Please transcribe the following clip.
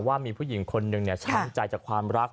ว่ามีผู้หญิงคนหนึ่งช้ำใจจากความรัก